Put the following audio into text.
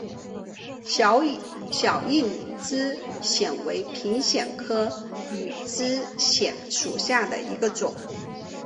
小硬枝藓为平藓科羽枝藓属下的一个种。